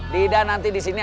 dida nanti disini